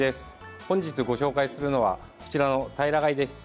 本日ご紹介するのはこちらのタイラガイです。